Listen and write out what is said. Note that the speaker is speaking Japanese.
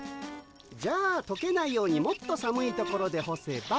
じゃあとけないようにもっと寒いところでほせば。